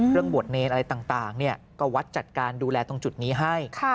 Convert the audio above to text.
บวชเนรอะไรต่างก็วัดจัดการดูแลตรงจุดนี้ให้